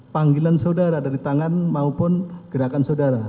panggilan saudara dari tangan maupun gerakan saudara